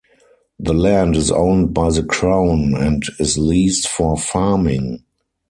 The land is owned by the Crown and is leased for farming.